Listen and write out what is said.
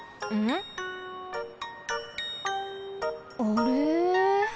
あれ？